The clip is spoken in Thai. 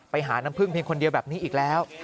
ไปหาน้ำพึ่งเพียงคนเดียวแบบนี้อีกแล้ว